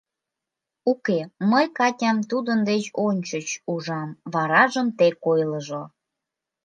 Уке, мый Катям тудын деч ончыч ужам, варажым тек ойлыжо».